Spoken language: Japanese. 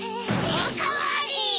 おかわり！